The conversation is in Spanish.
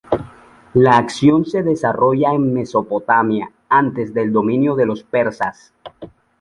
La acción se desarrolla en Mesopotamia, antes del dominio de los persas.